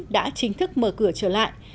đã chính thức mở cửa trở lại